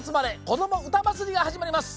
こどもうたまつり」がはじまります。